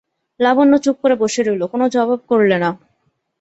লাবণ্য চুপ করে বসে রইল, কোনো জবাব করলে না।